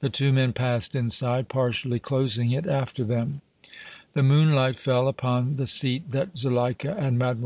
The two men passed inside, partially closing it after them. The moonlight fell upon the seat that Zuleika and Mlle.